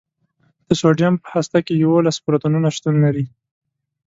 د سوډیم په هسته کې یوولس پروتونونه شتون لري.